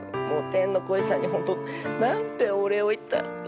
もう天の声さんに本当なんてお礼を言ったら。